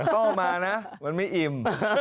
โต้มานะมันไม่อิ่ม